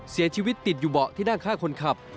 เสียชีวิตติดอยู่เบาะที่นั่งข้างคนขับ